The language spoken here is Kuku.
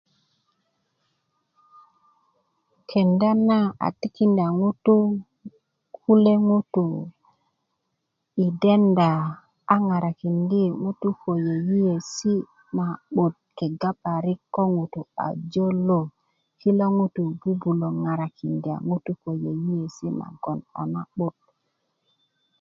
kenda na a tikinda ŋutu' kule ŋutu' i denda a ŋarakindi yeyesi na 'but kega parik ko ŋutu' a jölö kilo ŋutu' bubulö ŋarakinda ko yeyesi nagon a na'but